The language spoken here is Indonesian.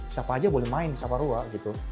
siapa aja boleh main di saparua gitu